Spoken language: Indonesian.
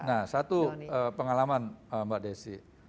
nah satu pengalaman mbak desi